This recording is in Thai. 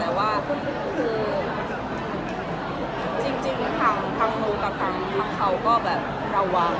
แต่ว่าเช่นข้างนู้นต่างขังเขาก็เรียกรับความหวัง